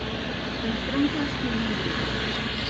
El tronco es cilíndrico.